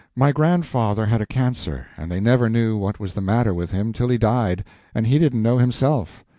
My grandfather had a cancer, and they never knew what was the matter with him till he died, and he didn't know himself.